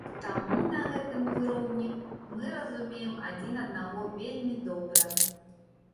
Таму на гэтым узроўні мы разумеем адзін аднаго вельмі добра.